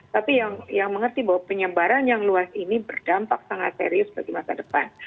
tapi yang mengerti bahwa penyebaran yang luas ini berdampak sangat serius bagi masa depan